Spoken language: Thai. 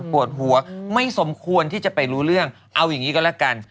ปวดหัวไม่สมควรที่จะไปรู้เรื่องเอาอย่างนี้ก็แล้วกัน